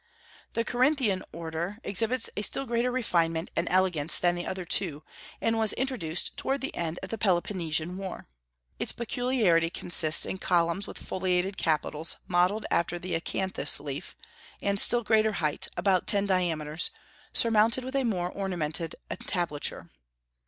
The Corinthian order exhibits a still greater refinement and elegance than the other two, and was introduced toward the end of the Peloponnesian War. Its peculiarity consists in columns with foliated capitals modelled after the acanthus leaf, and still greater height, about ten diameters, surmounted with a more ornamented entablature.